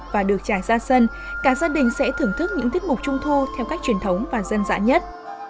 và được trải ra sân cả gia đình sẽ thưởng thức những tiết mục trung thu theo cách truyền thống và dân dã nhất